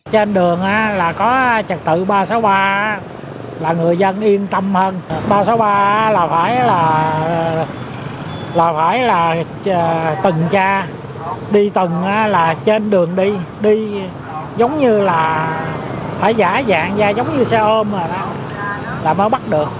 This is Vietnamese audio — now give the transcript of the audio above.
trên đường là có trật tự ba trăm sáu mươi ba là người dân yên tâm hơn ba trăm sáu mươi ba là phải là phải là từng cha đi từng là trên đường đi đi giống như là phải giả dạng giống như xe ôm là mới bắt được